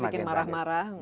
stres bikin marah marah